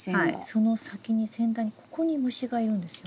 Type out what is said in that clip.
その先に先端にここに虫がいるんですよ。